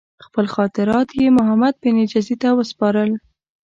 خپل خاطرات یې محمدبن جزي ته وسپارل.